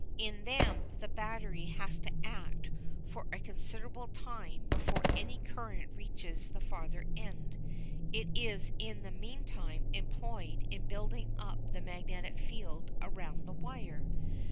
In them the battery has to act for a considerable time before any current reaches the farther end. It is in the meantime employed in building up the magnetic field around the wire.